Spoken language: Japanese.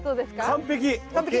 完璧。